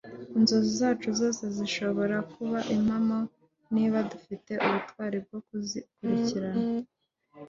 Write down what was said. "inzozi zacu zose zirashobora kuba impamo niba dufite ubutwari bwo kuzikurikirana."